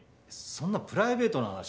そんなプライベートな話。